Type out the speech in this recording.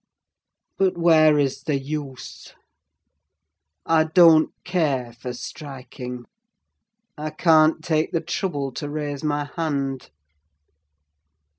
But where is the use? I don't care for striking: I can't take the trouble to raise my hand!